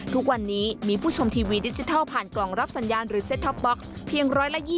ทุกวันนี้มีผู้ชมทีวีดิจิทัลผ่านกล่องรับสัญญาณหรือเซ็ตท็อปบล็อกเพียง๑๒๐